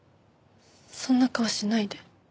そんな顔しないで。